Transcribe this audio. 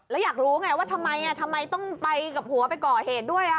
แล้วอยากรู้ไงว่าทำไมทำไมต้องไปกับหัวไปก่อเหตุด้วย